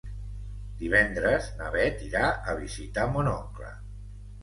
Divendres na Beth irà a visitar mon oncle.